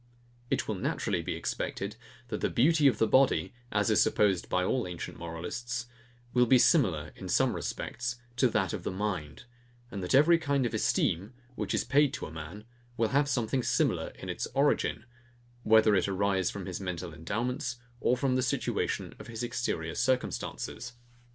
It will naturally be expected, that the beauty of the body, as is supposed by all ancient moralists, will be similar, in some respects, to that of the mind; and that every kind of esteem, which is paid to a man, will have something similar in its origin, whether it arise from his mental endowments, or from the situation of his exterior circumstances.